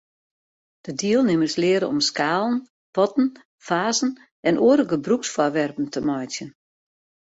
De dielnimmers leare om skalen, potten, fazen en oare gebrûksfoarwerpen te meitsjen.